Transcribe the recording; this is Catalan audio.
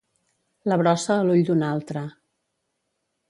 La brossa a l'ull d'un altre.